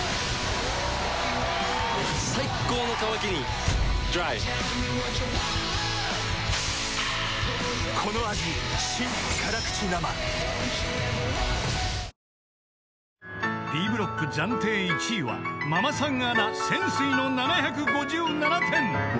最高の渇きにＤＲＹ［Ｂブロック暫定１位はママさんアナ泉水の７５７点］